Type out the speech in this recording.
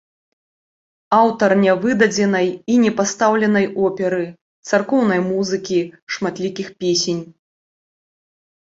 Аўтар нявыдадзенай і не пастаўленай оперы, царкоўнай музыкі, шматлікіх песень.